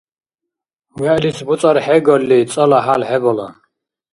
ВегӀлис буцӀархӀегалли, цӀала хӀял хӀебала.